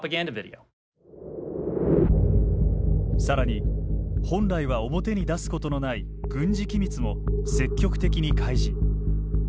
さらに、本来は表に出すことのない軍事機密も積極的に開示。